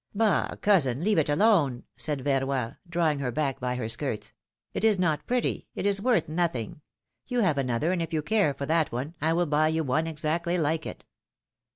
^^Bah! cousin, leave it alone said Verroy, drawing her back by her skirts. ^^It is not pretty, it is worth nothing. You have another, and if you care for that one, I will buy you one exactly like it.